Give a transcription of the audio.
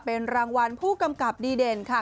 เป็นรางวัลผู้กำกับดีเด่นค่ะ